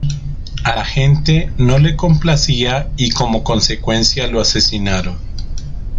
A la gente no le complacía, y como consecuencia, lo asesinaron.